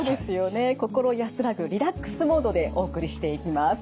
心安らぐリラックスモードでお送りしていきます。